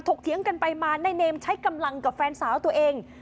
เถียงกันไปมานายเนมใช้กำลังกับแฟนสาวตัวเอง